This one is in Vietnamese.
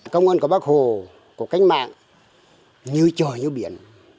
công ngân của bắc hồ của cánh mạng như trời như biển